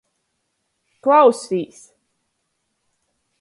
Klausīs!